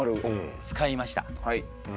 使いました。